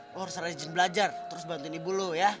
lu harus rajin belajar terus bantuin ibu lu ya